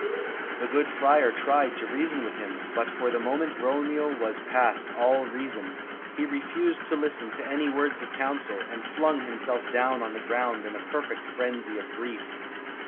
The good Friar tried to reason with him, but for the moment Romeo was past all reason; he refused to listen to any words of counsel, and flung himself down on the ground in a perfect frenzy of grief.